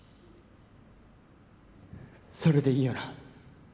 それでいいよな？